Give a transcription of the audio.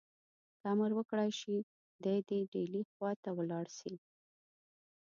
که امر وکړای شي دی دي ډهلي خواته ولاړ شي.